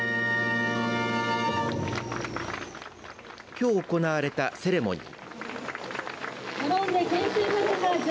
きょう行われたセレモニー。